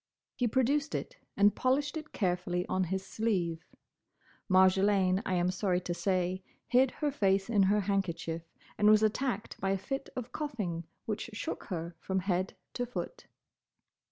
He produced it and polished it carefully on his sleeve. Marjolaine, I am sorry to say, hid her face in her handkerchief, and was attacked by a fit of coughing which shook her from head to foot.